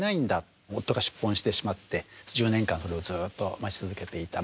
夫が出奔してしまって１０年間それをずっと待ち続けていた。